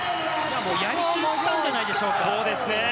やり切ったんじゃないでしょうか。